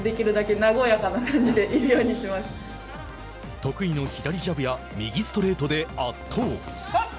得意の左ジャブや右ストレートで圧倒。